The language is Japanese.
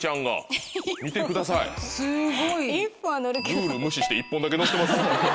ルール無視して１本だけのせてます。